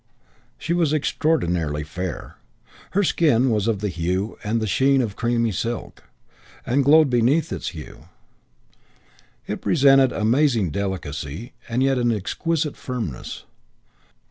She was extraordinarily fair. Her skin was of the hue and of the sheen of creamy silk, and glowed beneath its hue. It presented amazing delicacy and yet an exquisite firmness.